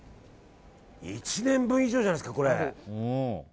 １年分以上じゃないですか。